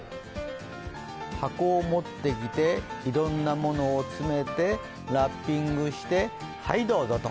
箱を持ってきて、いろんなものを詰めてラッピングしてはい、どうぞと。